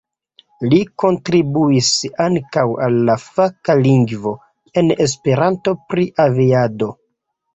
Li kontribuis ankaŭ al la faka lingvo en Esperanto pri aviado.